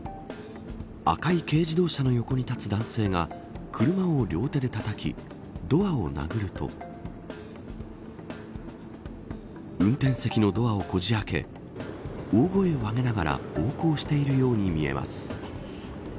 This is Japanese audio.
赤い軽自動車の横に立つ男性が車を両手でたたきドアを殴ると運転席のドアをこじ開け大声を上げながら暴行しているように見えます。